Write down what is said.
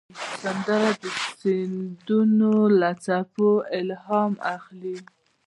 سندره د سیندونو له څپو الهام اخلي